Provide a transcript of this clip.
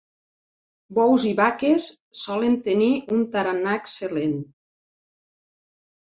Bous i vaques solen tenir un tarannà excel·lent.